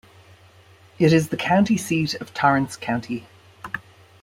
It is the county seat of Torrance County.